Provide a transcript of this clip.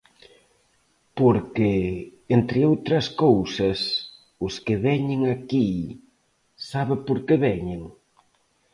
Porque, entre outras cousas, os que veñen aquí ¿sabe por que veñen?